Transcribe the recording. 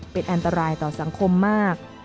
เป็นอันตรายต่อสังคมมาก